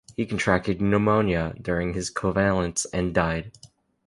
He contracted pneumonia during his convalescence and died.